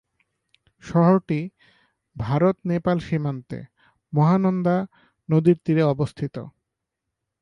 শহরটি ভারত- নেপাল সীমান্তে, মহানন্দা নদীর তীরে অবস্থিত।